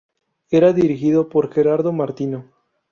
Era dirigido por Gerardo Martino.